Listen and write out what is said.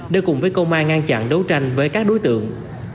để cùng với công an ngăn chặn đấu tranh với các đối tượng